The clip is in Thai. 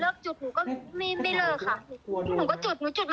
แล้วก็ขอพ้อนก็คือหยิบมาเลยค่ะพี่หมดำ